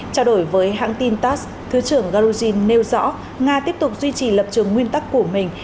trao đổi với hãng tin tass thứ trưởng galugin nêu rõ nga tiếp tục duy trì lập trường nguyên tắc của mình